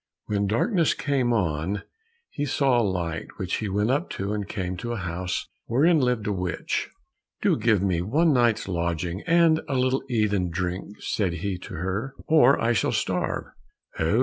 When darkness came on, he saw a light, which he went up to, and came to a house wherein lived a witch. "Do give me one night's lodging, and a little to eat and drink," said he to her, "or I shall starve." "Oho!"